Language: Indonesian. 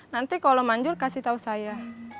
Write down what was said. nanti kalau manjur kasih tahu saya